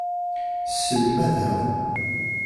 Sselmadeɣ.